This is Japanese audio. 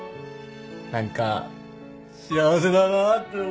何か幸せだなって思って。